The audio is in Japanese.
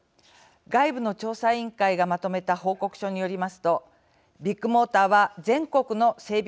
外部の調査委員会がまとめた報告書によりますとビッグモーターは全国の整備